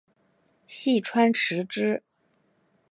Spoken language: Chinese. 细川持之。